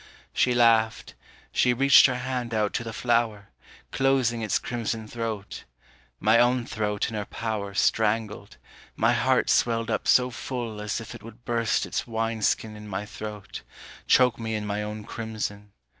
She laughed, she reached her hand out to the flower, Closing its crimson throat. My own throat in her power Strangled, my heart swelled up so full As if it would burst its wine skin in my throat, Choke me in my own crimson.